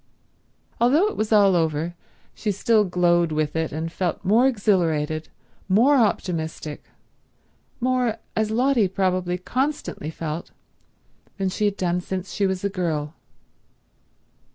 Although it was all over she still glowed with it and felt more exhilarated, more optimistic, more as Lotty probably constantly felt, than she had done since she was a girl.